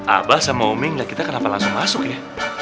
abah sama umi ngeliat kita kenapa langsung masuk ya